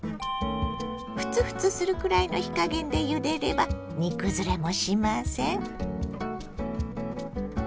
ふつふつするくらいの火加減でゆでれば煮崩れもしません。